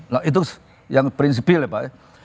nah itu yang prinsipil ya pak ya